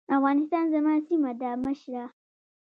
افغانستان زما سيمه ده مشره.